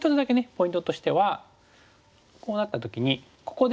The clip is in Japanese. ポイントとしてはこうなった時にここですよね。